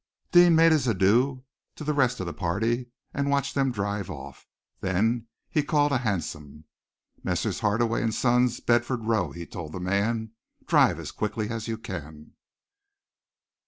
Deane made his adieux to the rest of the party and watched them drive off. Then he called a hansom. "Messrs. Hardaway and Sons, Bedford Row," he told the man. "Drive as quickly as you can."